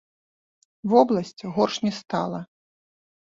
Вобласць горш не стала.